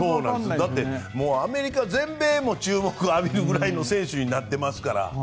だって、アメリカ全米でも注目浴びるぐらいの選手になっていますから。